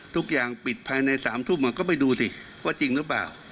ทุกอย่างปิดภายใน๓ทุ่มก็ไปดูสิว่าจริงหรือเปล่า